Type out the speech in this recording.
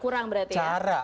kurang berarti ya